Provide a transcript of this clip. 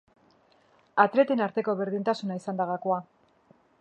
Atleten arteko berdintasuna izan da gakoa.